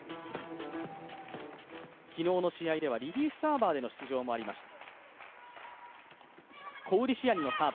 昨日の試合ではリリースサーバーでの出場もありました。